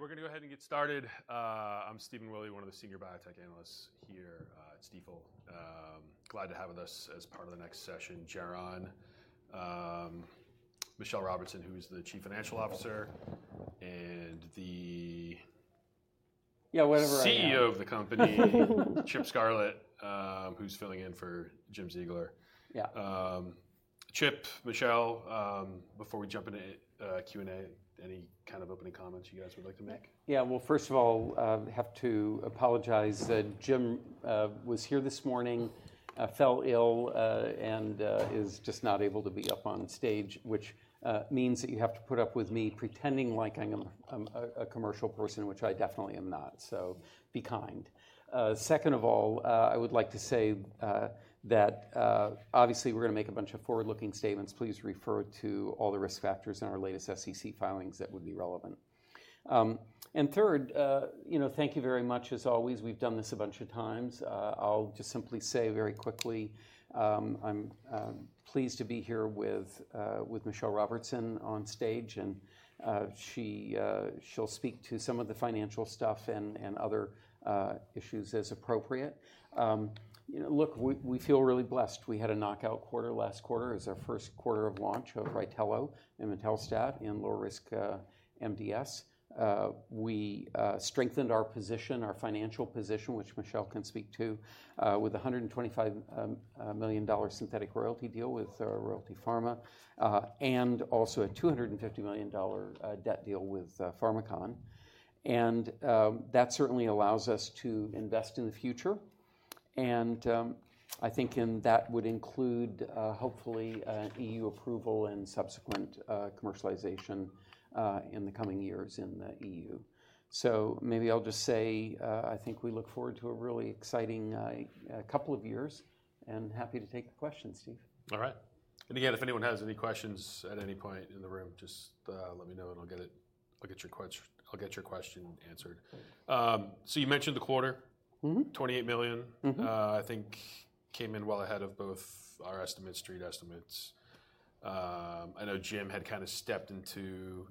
All right, we're going to go ahead and get started. I'm Stephen Willey, one of the senior biotech analysts here at Stifel. Glad to have with us as part of the next session, Geron. Michelle Robertson, who's the Chief Financial Officer and the. Yeah, whatever. CEO of the company, Chip Scarlett, who's filling in for Jim Ziegler. Yeah. Chip, Michelle, before we jump into Q&A, any kind of opening comments you guys would like to make? Yeah, well, first of all, I have to apologize. Jim was here this morning, fell ill, and is just not able to be up on stage, which means that you have to put up with me pretending like I'm a commercial person, which I definitely am not. So be kind. Second of all, I would like to say that obviously we're going to make a bunch of forward-looking statements. Please refer to all the risk factors in our latest SEC filings that would be relevant. And third, thank you very much. As always, we've done this a bunch of times. I'll just simply say very quickly, I'm pleased to be here with Michelle Robertson on stage, and she'll speak to some of the financial stuff and other issues as appropriate. Look, we feel really blessed. We had a knockout quarter last quarter as our first quarter of launch of RYTELO and imetelstat and low-risk MDS. We strengthened our position, our financial position, which Michelle can speak to, with a $125 million synthetic royalty deal with Royalty Pharma and also a $250 million debt deal with Pharmakon. That certainly allows us to invest in the future. I think that would include, hopefully, E.U. approval and subsequent commercialization in the coming years in the EU. Maybe I'll just say I think we look forward to a really exciting couple of years and happy to take the questions, Steve. All right. And again, if anyone has any questions at any point in the room, just let me know and I'll get your question answered. So you mentioned the quarter, $28 million, I think came in well ahead of both our estimates, street estimates. I know Jim had kind of stepped into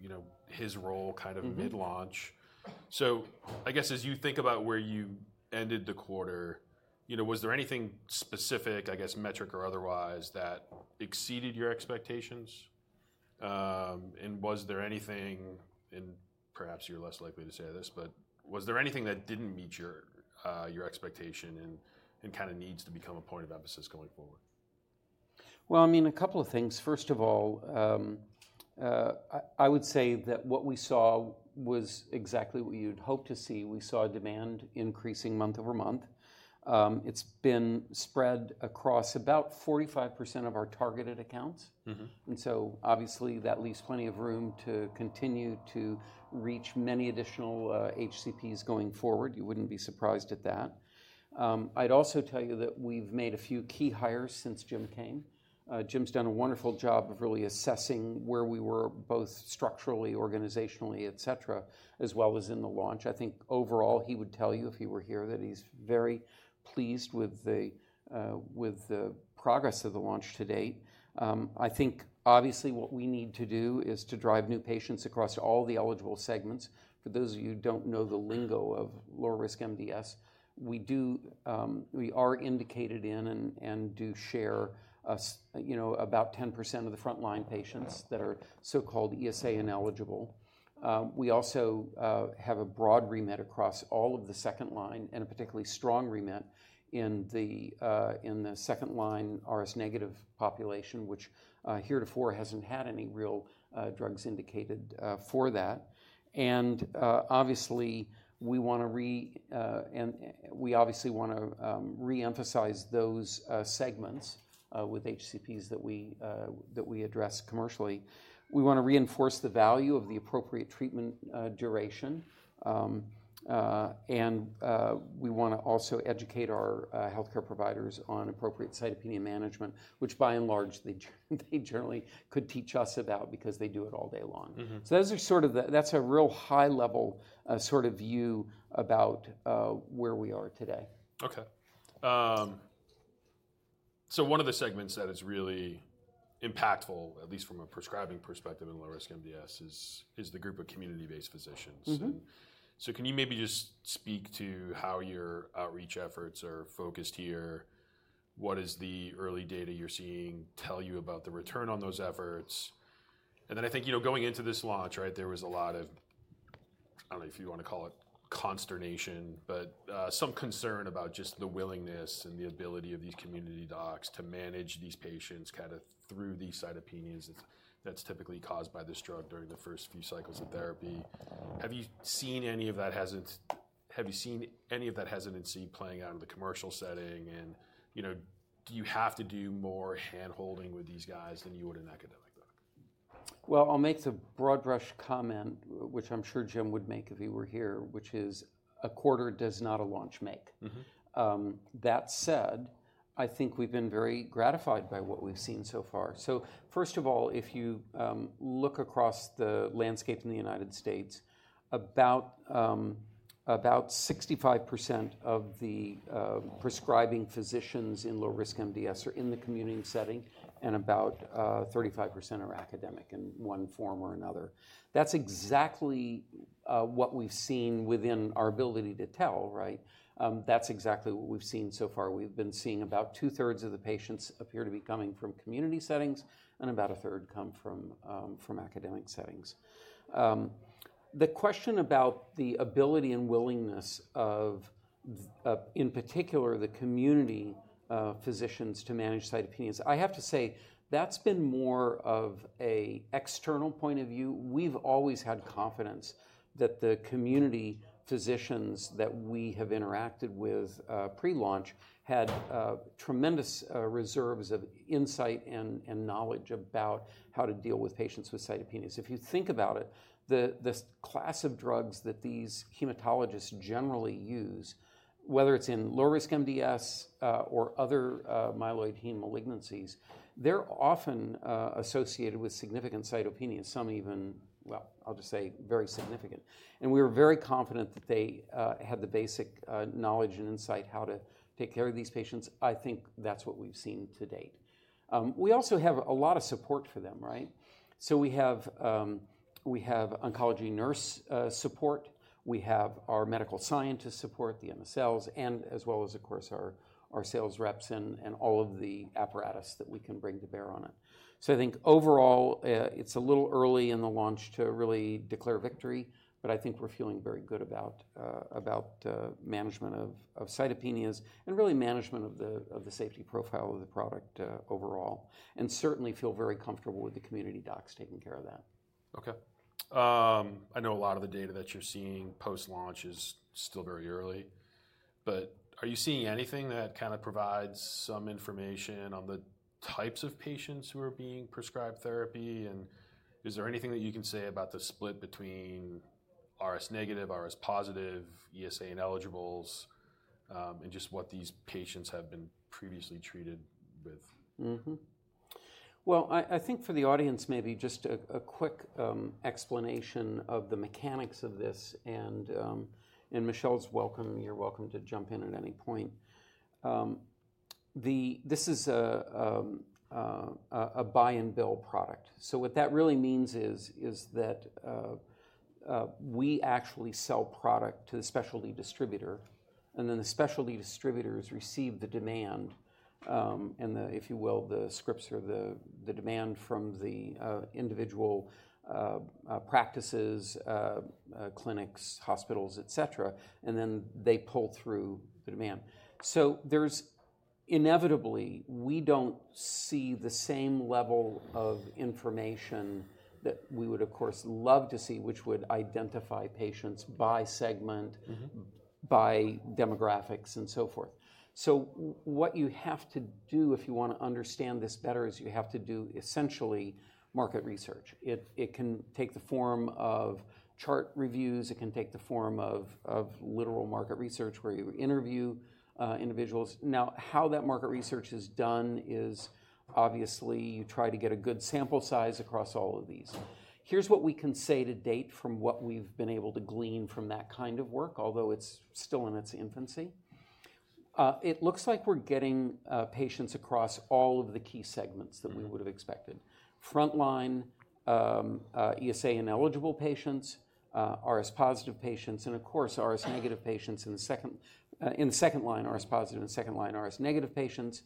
his role kind of mid-launch. So I guess as you think about where you ended the quarter, was there anything specific, I guess, metric or otherwise, that exceeded your expectations? And was there anything, and perhaps you're less likely to say this, but was there anything that didn't meet your expectation and kind of needs to become a point of emphasis going forward? I mean, a couple of things. First of all, I would say that what we saw was exactly what you'd hope to see. We saw demand increasing month over month. It's been spread across about 45% of our targeted accounts. And so obviously that leaves plenty of room to continue to reach many additional HCPs going forward. You wouldn't be surprised at that. I'd also tell you that we've made a few key hires since Jim came. Jim's done a wonderful job of really assessing where we were both structurally, organizationally, et cetera, as well as in the launch. I think overall he would tell you if he were here that he's very pleased with the progress of the launch to date. I think obviously what we need to do is to drive new patients across all the eligible segments. For those of you who don't know the lingo of low-risk MDS, we are indicated in and do share about 10% of the front-line patients that are so-called ESA ineligible. We also have a broad remit across all of the second-line and a particularly strong remit in the second-line RS-negative population, which heretofore hasn't had any real drugs indicated for that. And obviously we want to reemphasize those segments with HCPs that we address commercially. We want to reinforce the value of the appropriate treatment duration. And we want to educate our healthcare providers on appropriate cytopenia management, which by and large they generally could teach us about because they do it all day long. That's a real high-level sort of view about where we are today. Okay. So one of the segments that is really impactful, at least from a prescribing perspective in low-risk MDS, is the group of community-based physicians. So can you maybe just speak to how your outreach efforts are focused here? What is the early data you're seeing tell you about the return on those efforts? And then I think going into this launch, right, there was a lot of, I don't know if you want to call it consternation, but some concern about just the willingness and the ability of these community docs to manage these patients kind of through these cytopenias that's typically caused by this drug during the first few cycles of therapy. Have you seen any of that? Have you seen any of that hesitancy playing out in the commercial setting? Do you have to do more handholding with these guys than you would an academic doc? I'll make the broad brush comment, which I'm sure Jim would make if he were here, which is a quarter does not a launch make. That said, I think we've been very gratified by what we've seen so far. First of all, if you look across the landscape in the United States, about 65% of the prescribing physicians in low-risk MDS are in the community setting and about 35% are academic in one form or another. That's exactly what we've seen within our ability to tell, right? That's exactly what we've seen so far. We've been seeing about two-thirds of the patients appear to be coming from community settings and about a third come from academic settings. The question about the ability and willingness of, in particular, the community physicians to manage cytopenias, I have to say that's been more of an external point of view. We've always had confidence that the community physicians that we have interacted with pre-launch had tremendous reserves of insight and knowledge about how to deal with patients with cytopenias. If you think about it, the class of drugs that these hematologists generally use, whether it's in low-risk MDS or other myeloid heme malignancies, they're often associated with significant cytopenias, some even, well, I'll just say very significant. And we were very confident that they had the basic knowledge and insight how to take care of these patients. I think that's what we've seen to date. We also have a lot of support for them, right? So we have oncology nurse support. We have our medical scientist support, the MSLs, and as well as, of course, our sales reps and all of the apparatus that we can bring to bear on it. So I think overall, it's a little early in the launch to really declare victory, but I think we're feeling very good about management of cytopenias and really management of the safety profile of the product overall, and certainly feel very comfortable with the community docs taking care of that. Okay. I know a lot of the data that you're seeing post-launch is still very early, but are you seeing anything that kind of provides some information on the types of patients who are being prescribed therapy? And is there anything that you can say about the split between RS negative, RS positive, ESA ineligibles, and just what these patients have been previously treated with? I think for the audience, maybe just a quick explanation of the mechanics of this. Michelle's welcome. You're welcome to jump in at any point. This is a buy-and-bill product. What that really means is that we actually sell product to the specialty distributor, and then the specialty distributors receive the demand, and if you will, the scripts or the demand from the individual practices, clinics, hospitals, et cetera, and then they pull through the demand. Inevitably, we don't see the same level of information that we would, of course, love to see, which would identify patients by segment, by demographics, and so forth. What you have to do if you want to understand this better is you have to do essentially market research. It can take the form of chart reviews. It can take the form of literal market research where you interview individuals. Now, how that market research is done is obviously you try to get a good sample size across all of these. Here's what we can say to date from what we've been able to glean from that kind of work, although it's still in its infancy. It looks like we're getting patients across all of the key segments that we would have expected. Frontline ESA ineligible patients, RS positive patients, and of course, RS negative patients in the second line, RS positive in the second line, RS negative patients.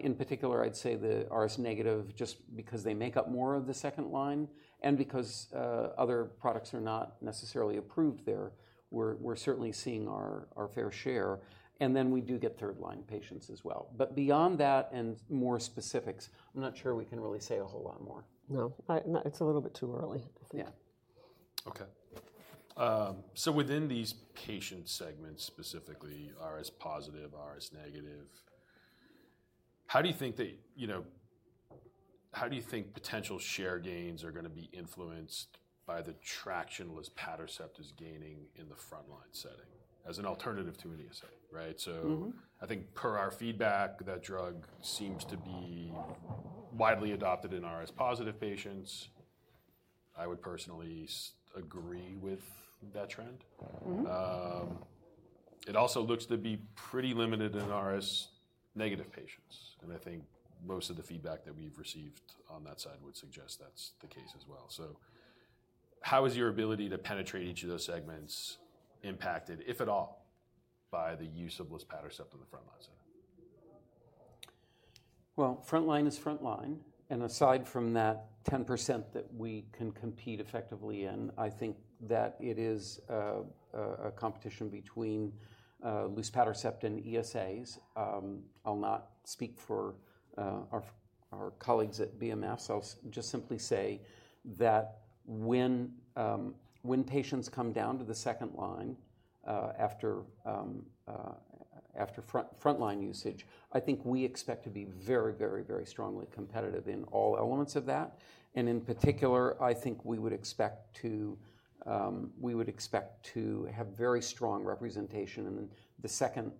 In particular, I'd say the RS negative just because they make up more of the second line and because other products are not necessarily approved there, we're certainly seeing our fair share. And then we do get third line patients as well. But beyond that and more specifics, I'm not sure we can really say a whole lot more. No, it's a little bit too early. Yeah. Okay. So within these patient segments specifically, RS positive, RS negative, how do you think that potential share gains are going to be influenced by the luspatercept as gaining in the frontline setting as an alternative to an ESA, right? So I think per our feedback, that drug seems to be widely adopted in RS positive patients. I would personally agree with that trend. It also looks to be pretty limited in RS negative patients. And I think most of the feedback that we've received on that side would suggest that's the case as well. So how is your ability to penetrate each of those segments impacted, if at all, by the use of luspatercept in the frontline setting? Frontline is frontline. And aside from that 10% that we can compete effectively in, I think that it is a competition between luspatercept and ESAs. I'll not speak for our colleagues at BMS. I'll just simply say that when patients come down to the second line after frontline usage, I think we expect to be very, very, very strongly competitive in all elements of that. And in particular, I think we would expect to have very strong representation in the second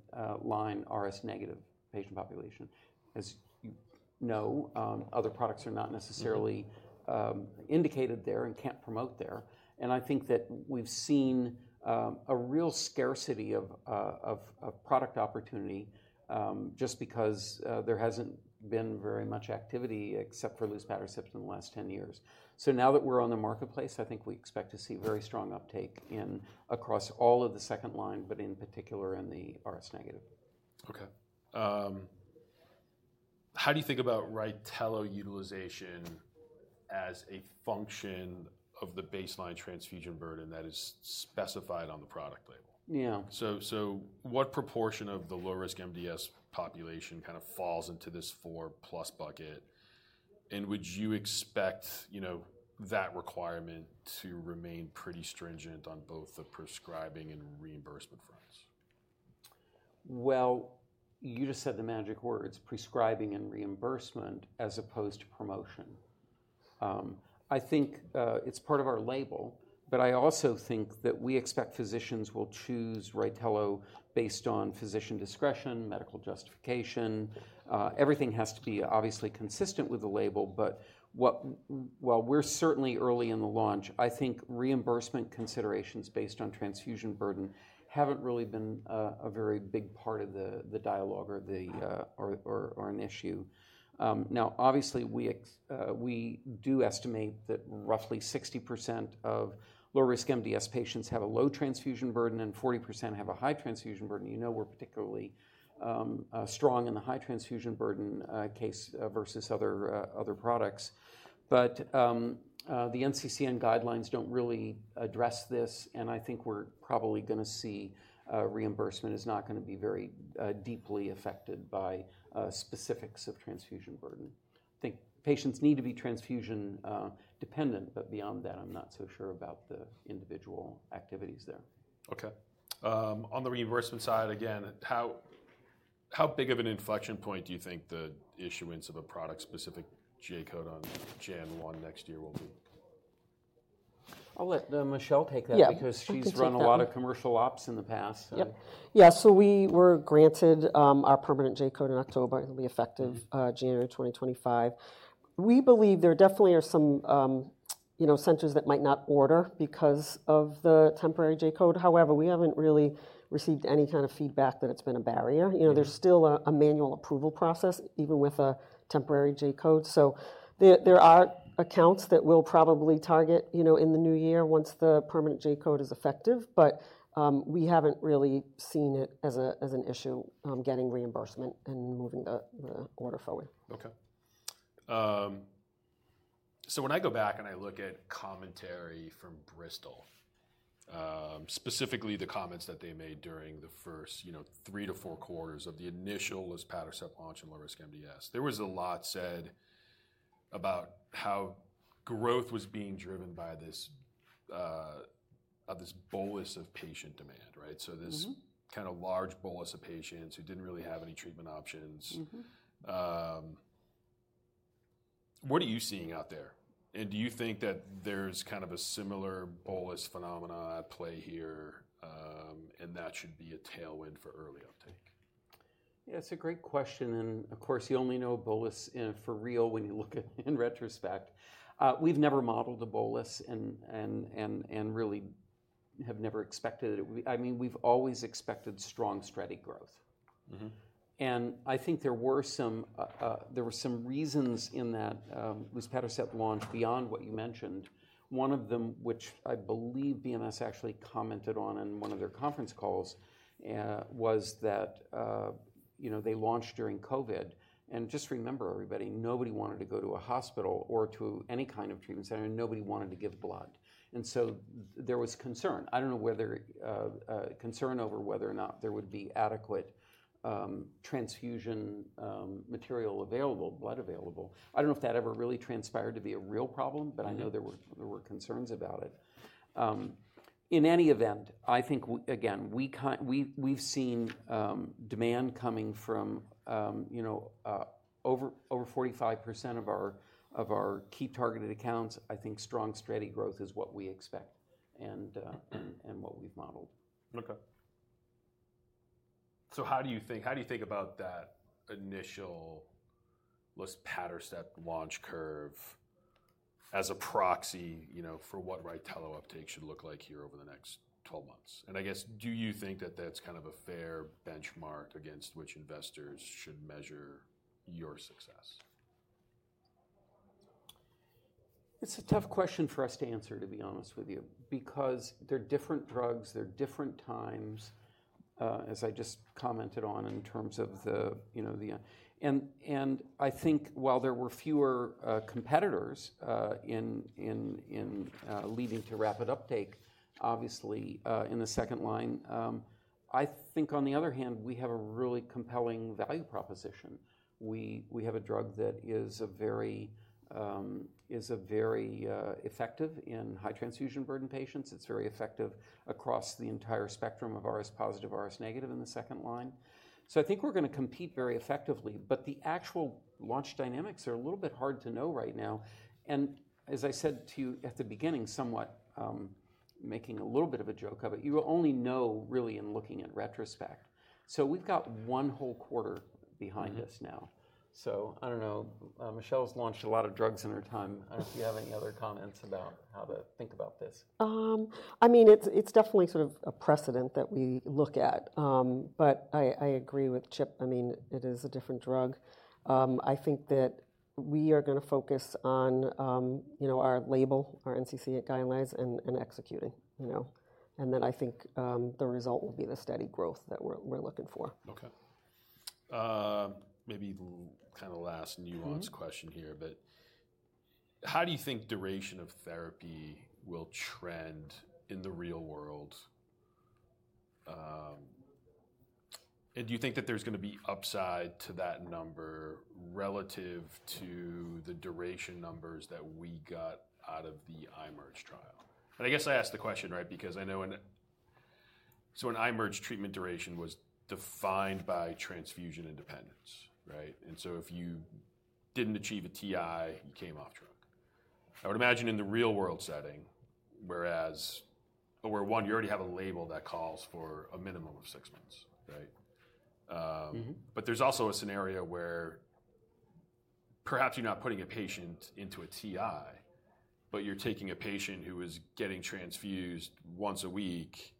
line RS negative patient population. As you know, other products are not necessarily indicated there and can't promote there. And I think that we've seen a real scarcity of product opportunity just because there hasn't been very much activity except for luspatercept in the last 10 years. So now that we're on the marketplace, I think we expect to see very strong uptake across all of the second line, but in particular in the RS negative. Okay. How do you think about RYTELO utilization as a function of the baseline transfusion burden that is specified on the product label? Yeah. So what proportion of the low-risk MDS population kind of falls into this four plus bucket? And would you expect that requirement to remain pretty stringent on both the prescribing and reimbursement fronts? Well, you just said the magic words, prescribing and reimbursement as opposed to promotion. I think it's part of our label, but I also think that we expect physicians will choose RYTELO based on physician discretion, medical justification. Everything has to be obviously consistent with the label, but while we're certainly early in the launch, I think reimbursement considerations based on transfusion burden haven't really been a very big part of the dialogue or an issue. Now, obviously, we do estimate that roughly 60% of low-risk MDS patients have a low transfusion burden and 40% have a high transfusion burden. You know we're particularly strong in the high transfusion burden case versus other products. But the NCCN guidelines don't really address this, and I think we're probably going to see reimbursement is not going to be very deeply affected by specifics of transfusion burden. I think patients need to be transfusion dependent, but beyond that, I'm not so sure about the individual activities there. Okay. On the reimbursement side, again, how big of an inflection point do you think the issuance of a product-specific J-code on January 1 next year will be? I'll let Michelle take that because she's run a lot of commercial ops in the past. Yeah. So we were granted our permanent J-code in October. It'll be effective January 2025. We believe there definitely are some centers that might not order because of the temporary J-code. However, we haven't really received any kind of feedback that it's been a barrier. There's still a manual approval process even with a temporary J-code. So there are accounts that will probably target in the new year once the permanent J-code is effective, but we haven't really seen it as an issue getting reimbursement and moving the order forward. Okay, so when I go back and I look at commentary from Bristol, specifically the comments that they made during the first three to four quarters of the initial luspatercept launch in low-risk MDS, there was a lot said about how growth was being driven by this bolus of patient demand, right? So this kind of large bolus of patients who didn't really have any treatment options. What are you seeing out there, and do you think that there's kind of a similar bolus phenomenon at play here and that should be a tailwind for early uptake? Yeah, it's a great question, and of course, you only know bolus for real when you look in retrospect. We've never modeled a bolus and really have never expected it. I mean, we've always expected strong spreading growth. I think there were some reasons in that luspatercept launch beyond what you mentioned. One of them, which I believe BMS actually commented on in one of their conference calls, was that they launched during COVID. Just remember, everybody, nobody wanted to go to a hospital or to any kind of treatment center and nobody wanted to give blood. So there was concern. I don't know whether concern over whether or not there would be adequate transfusion material available, blood available. I don't know if that ever really transpired to be a real problem, but I know there were concerns about it. In any event, I think, again, we've seen demand coming from over 45% of our key targeted accounts. I think strong spreading growth is what we expect and what we've modeled. Okay. So how do you think about that initial luspatercept launch curve as a proxy for what RYTELO uptake should look like here over the next 12 months? And I guess, do you think that that's kind of a fair benchmark against which investors should measure your success? It's a tough question for us to answer, to be honest with you, because they're different drugs. They're different times, as I just commented on in terms of, and I think while there were fewer competitors leading to rapid uptake, obviously in the second line. I think on the other hand, we have a really compelling value proposition. We have a drug that is very effective in high transfusion burden patients. It's very effective across the entire spectrum of RS positive, RS negative in the second line. So I think we're going to compete very effectively, but the actual launch dynamics are a little bit hard to know right now. And as I said to you at the beginning, somewhat making a little bit of a joke of it, you will only know really in retrospect. So we've got one whole quarter behind us now. I don't know. Michelle's launched a lot of drugs in her time. I don't know if you have any other comments about how to think about this. I mean, it's definitely sort of a precedent that we look at, but I agree with Chip. I mean, it is a different drug. I think that we are going to focus on our label, our NCCN guidelines, and executing, and then I think the result will be the steady growth that we're looking for. Okay. Maybe kind of last nuanced question here, but how do you think duration of therapy will trend in the real world? And do you think that there's going to be upside to that number relative to the duration numbers that we got out of the IMerge trial? And I guess I asked the question, right? Because I know so an IMerge treatment duration was defined by transfusion independence, right? And so if you didn't achieve a TI, you came off drug. I would imagine in the real world setting, whereas where one, you already have a label that calls for a minimum of six months, right? But there's also a scenario where perhaps you're not putting a patient into a TI, but you're taking a patient who is getting transfused once a week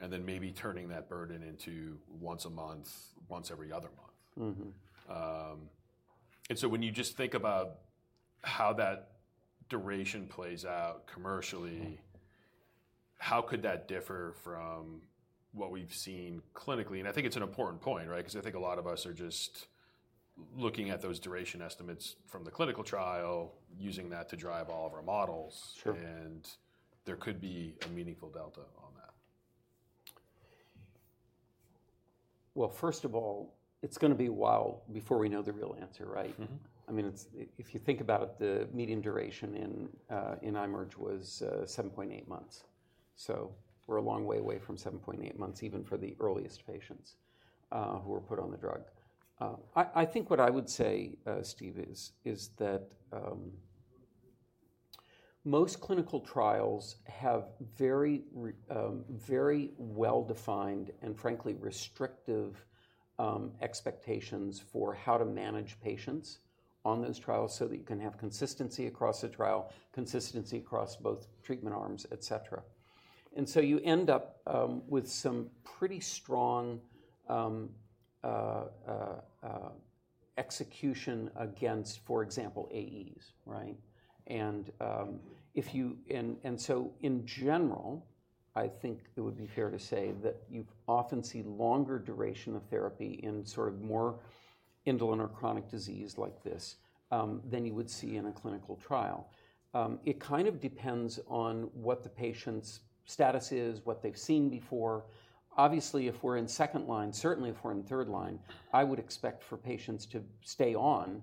and then maybe turning that burden into once a month, once every other month. And so when you just think about how that duration plays out commercially, how could that differ from what we've seen clinically? And I think it's an important point, right? Because I think a lot of us are just looking at those duration estimates from the clinical trial, using that to drive all of our models, and there could be a meaningful delta on that. Well, first of all, it's going to be a while before we know the real answer, right? I mean, if you think about the median duration in IMerge was 7.8 months. So we're a long way away from 7.8 months even for the earliest patients who were put on the drug. I think what I would say, Steve, is that most clinical trials have very well-defined and frankly restrictive expectations for how to manage patients on those trials so that you can have consistency across the trial, consistency across both treatment arms, etc. And so you end up with some pretty strong execution against, for example, AEs, right? And so in general, I think it would be fair to say that you often see longer duration of therapy in sort of more indolent or chronic disease like this than you would see in a clinical trial. It kind of depends on what the patient's status is, what they've seen before. Obviously, if we're in second line, certainly if we're in third line, I would expect for patients to stay on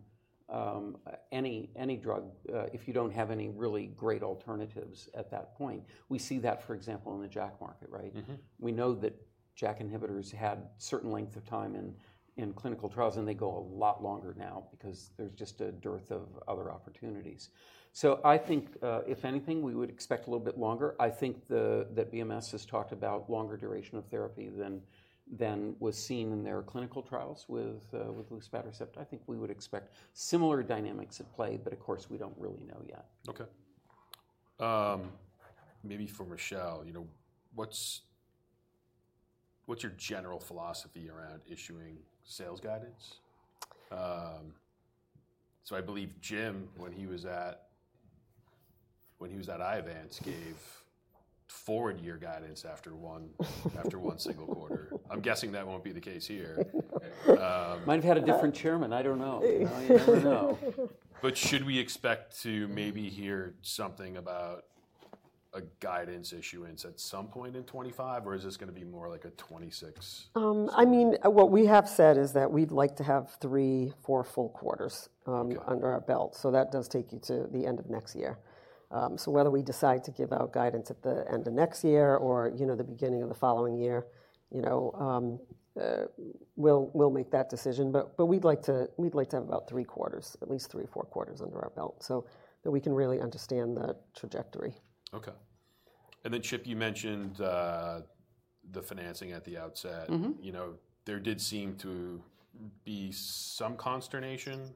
any drug if you don't have any really great alternatives at that point. We see that, for example, in the JAK market, right? We know that JAK inhibitors had a certain length of time in clinical trials, and they go a lot longer now because there's just a dearth of other opportunities. So I think if anything, we would expect a little bit longer. I think that BMS has talked about longer duration of therapy than was seen in their clinical trials with luspatercept. I think we would expect similar dynamics at play, but of course, we don't really know yet. Okay. Maybe for Michelle, what's your general philosophy around issuing sales guidance? So I believe Jim, when he was at Iovance, gave forward year guidance after one single quarter. I'm guessing that won't be the case here. Might have had a different chairman. I don't know. I don't know. But should we expect to maybe hear something about a guidance issuance at some point in 2025, or is this going to be more like a 2026? I mean, what we have said is that we'd like to have three, four full quarters under our belt. So that does take you to the end of next year. So whether we decide to give out guidance at the end of next year or the beginning of the following year, we'll make that decision. But we'd like to have about three quarters, at least three, four quarters under our belt so that we can really understand the trajectory. Okay. And then Chip, you mentioned the financing at the outset. There did seem to be some consternation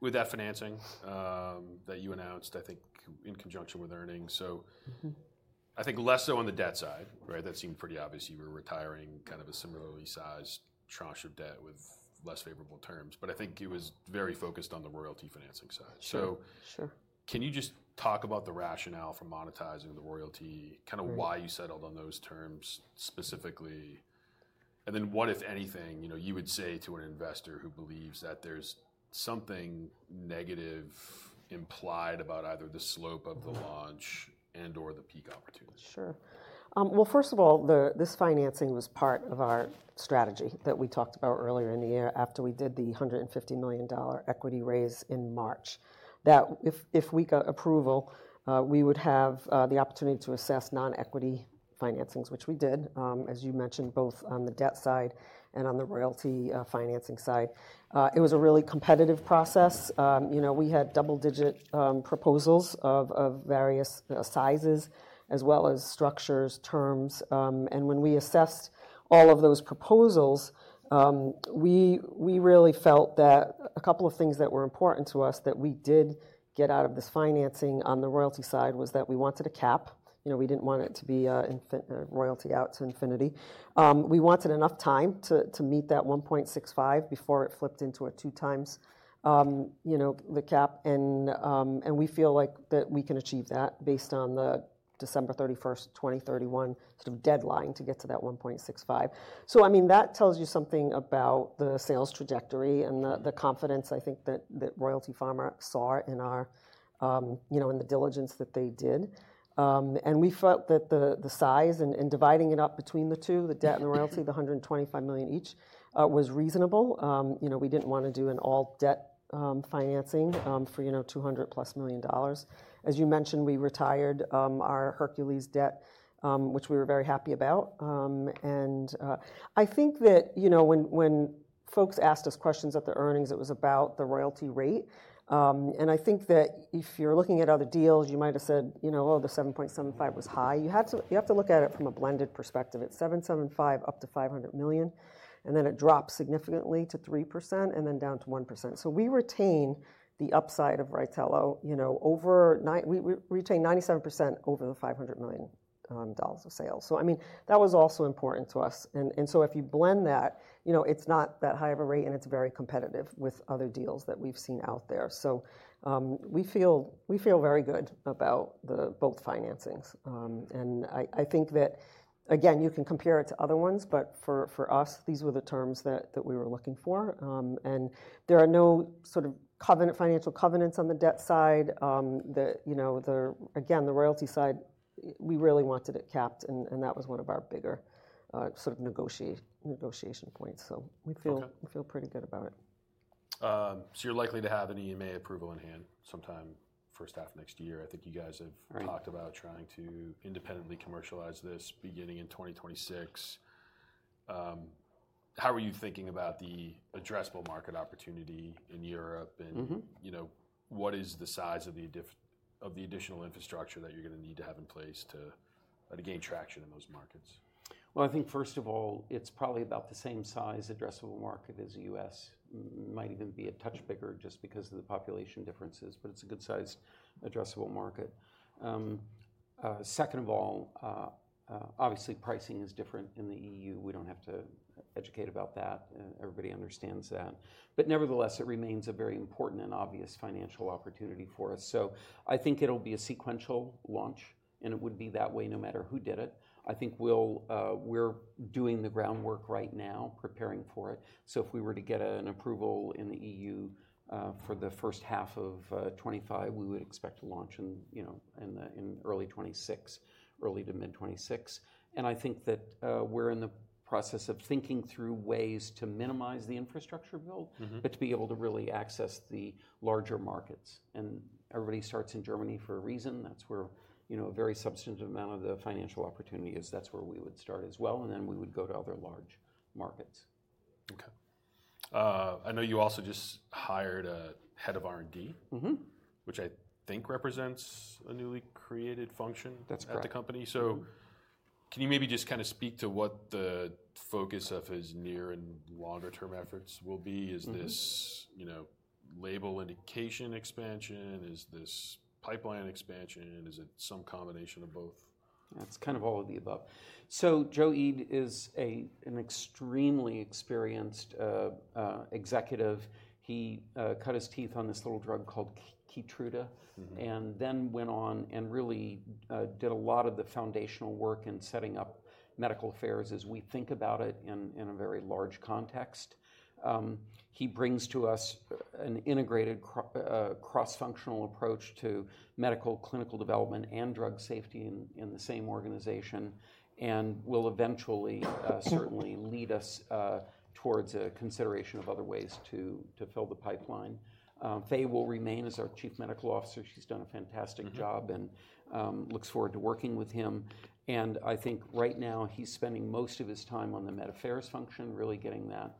with that financing that you announced, I think, in conjunction with earnings. So I think less so on the debt side, right? That seemed pretty obvious you were retiring kind of a similarly sized tranche of debt with less favorable terms, but I think it was very focused on the royalty financing side. So can you just talk about the rationale for monetizing the royalty, kind of why you settled on those terms specifically? And then what, if anything, you would say to an investor who believes that there's something negative implied about either the slope of the launch and/or the peak opportunity? Sure. Well, first of all, this financing was part of our strategy that we talked about earlier in the year after we did the $150 million equity raise in March. That if we got approval, we would have the opportunity to assess non-equity financings, which we did, as you mentioned, both on the debt side and on the royalty financing side. It was a really competitive process. We had double-digit proposals of various sizes as well as structures, terms. And when we assessed all of those proposals, we really felt that a couple of things that were important to us that we did get out of this financing on the royalty side was that we wanted a cap. We didn't want it to be royalty out to infinity. We wanted enough time to meet that 1.65 before it flipped into a two times the cap. We feel like that we can achieve that based on the December 31st, 2031 sort of deadline to get to that 1.65. So I mean, that tells you something about the sales trajectory and the confidence I think that Royalty Pharma saw in the diligence that they did. And we felt that the size and dividing it up between the two, the debt and the royalty, the $125 million each, was reasonable. We didn't want to do an all debt financing for $200 million-plus. As you mentioned, we retired our Hercules debt, which we were very happy about. And I think that when folks asked us questions at the earnings, it was about the royalty rate. And I think that if you're looking at other deals, you might have said, "Oh, the 7.75 was high." You have to look at it from a blended perspective. It's 7.75 up to 500 million, and then it drops significantly to 3% and then down to 1%. So we retain the upside of RYTELO. We retain 97% over the $500 million of sales. So I mean, that was also important to us. And so if you blend that, it's not that high of a rate, and it's very competitive with other deals that we've seen out there. So we feel very good about both financings. And I think that, again, you can compare it to other ones, but for us, these were the terms that we were looking for. And there are no sort of financial covenants on the debt side. Again, the royalty side, we really wanted it capped, and that was one of our bigger sort of negotiation points. So we feel pretty good about it. So you're likely to have an EMA approval in hand sometime first half next year. I think you guys have talked about trying to independently commercialize this beginning in 2026. How are you thinking about the addressable market opportunity in Europe? And what is the size of the additional infrastructure that you're going to need to have in place to gain traction in those markets? I think first of all, it's probably about the same size addressable market as the U.S. Might even be a touch bigger just because of the population differences, but it's a good size addressable market. Second of all, obviously, pricing is different in the E.U. We don't have to educate about that. Everybody understands that. But nevertheless, it remains a very important and obvious financial opportunity for us. I think it'll be a sequential launch, and it would be that way no matter who did it. I think we're doing the groundwork right now, preparing for it. If we were to get an approval in the E.U. for the first half of 2025, we would expect to launch in early 2026, early to mid 2026. And I think that we're in the process of thinking through ways to minimize the infrastructure build, but to be able to really access the larger markets. And everybody starts in Germany for a reason. That's where a very substantive amount of the financial opportunity is. That's where we would start as well. And then we would go to other large markets. Okay. I know you also just hired a head of R&D, which I think represents a newly created function at the company. So can you maybe just kind of speak to what the focus of his near and longer-term efforts will be? Is this label indication expansion? Is this pipeline expansion? Is it some combination of both? It's kind of all of the above. So Joe Eid is an extremely experienced executive. He cut his teeth on this little drug called Keytruda and then went on and really did a lot of the foundational work in setting up medical affairs as we think about it in a very large context. He brings to us an integrated cross-functional approach to medical, clinical development, and drug safety in the same organization and will eventually certainly lead us towards a consideration of other ways to fill the pipeline. Faye will remain as our Chief Medical Officer. She's done a fantastic job and looks forward to working with him. And I think right now he's spending most of his time on the med affairs function, really getting that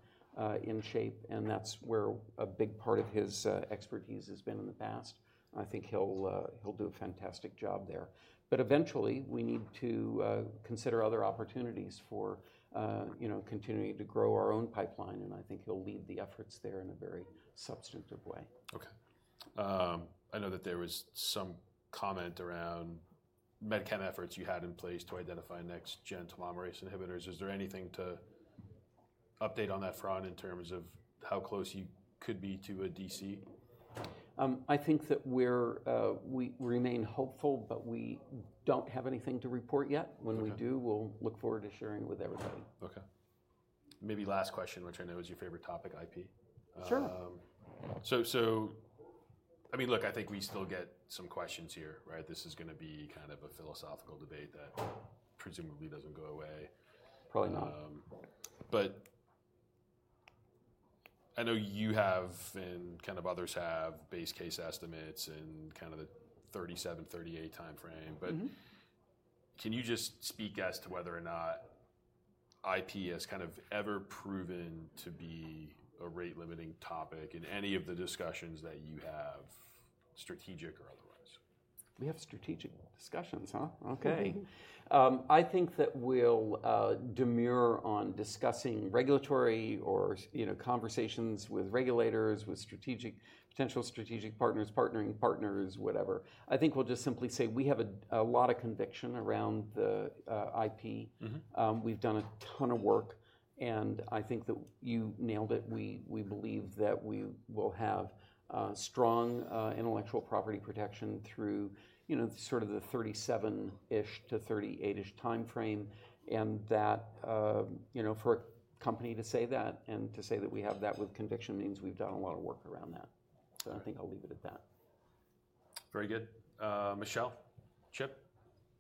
in shape. And that's where a big part of his expertise has been in the past. I think he'll do a fantastic job there. But eventually, we need to consider other opportunities for continuing to grow our own pipeline. And I think he'll lead the efforts there in a very substantive way. Okay. I know that there was some comment around MedChem efforts you had in place to identify next-gen telomerase inhibitors. Is there anything to update on that front in terms of how close you could be to a DC? I think that we remain hopeful, but we don't have anything to report yet. When we do, we'll look forward to sharing with everybody. Okay. Maybe last question, which I know is your favorite topic, IP. Sure. So I mean, look, I think we still get some questions here, right? This is going to be kind of a philosophical debate that presumably doesn't go away. Probably not. But I know you have and kind of others have base case estimates in kind of the 2037, 2038 timeframe. But can you just speak as to whether or not IP has kind of ever proven to be a rate-limiting topic in any of the discussions that you have, strategic or otherwise? We have strategic discussions, huh? Okay. I think that we'll demure on discussing regulatory or conversations with regulators, with potential strategic partners, partnering partners, whatever. I think we'll just simply say we have a lot of conviction around the IP. We've done a ton of work. And I think that you nailed it. We believe that we will have strong intellectual property protection through sort of the 2037-ish to 2038-ish timeframe. And that for a company to say that and to say that we have that with conviction means we've done a lot of work around that. So I think I'll leave it at that. Very good. Michelle, Chip,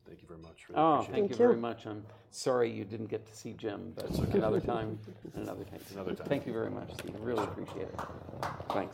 thank you very much for your contribution. Thank you very much. I'm sorry you didn't get to see Jim, but another time. Another time. Thank you very much. I really appreciate it. Thanks.